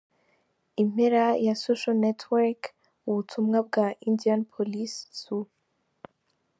Impera ya {socialnetworck} ubutumwa bwa Indianapolis Zoo.